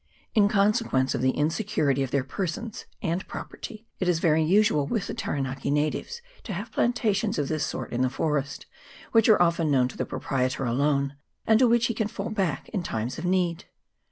In consequence of the insecurity of their persons and property, it is very usual with the Taranaki natives to have plantations of this sort in the forest, which are often known to the proprietor alone, and to which he can fall back in times of need.